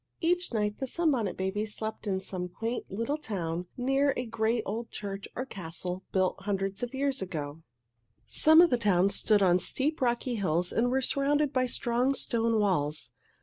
Each night the Sunbonnet Babies slept in some quaint little town near a great old church or castle built hundreds of years ago. Some of the towns stood on steep, rocky hills and were surrounded by strong, stone walls.